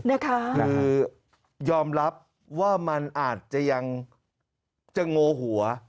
คือยอมรับว่ามันอาจจะยังจะโงหัว